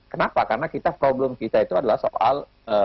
kenapa karena kita problem kita itu adalah soal